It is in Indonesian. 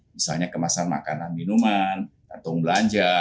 misalnya kemasan makanan minuman kantong belanja